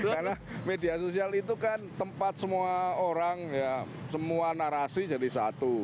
karena media sosial itu kan tempat semua orang semua narasi jadi satu